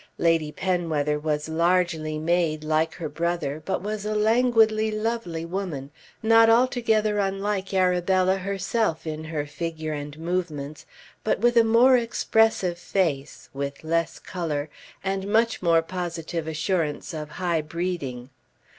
Lady Penwether was largely made, like her brother; but was a languidly lovely woman, not altogether unlike Arabella herself in her figure and movements, but with a more expressive face, with less colour, and much more positive assurance of high breeding.